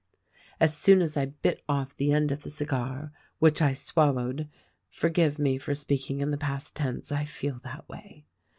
As soon as I bit off the end of the cigar, — which I swallowed (forgive me for speaking in the past tense, I feel that way!)